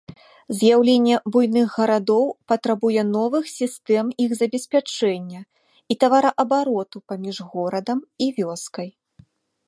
З'яўленне буйных гарадоў патрабуе новых сістэм іх забеспячэння і тавараабароту паміж горадам і вёскай.